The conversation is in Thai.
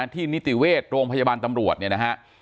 นิติเวชโรงพยาบาลตำรวจเนี่ยนะฮะ